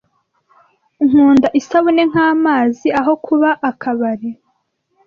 Nkunda isabune nkamazi aho kuba akabari. .